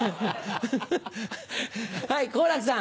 はい好楽さん。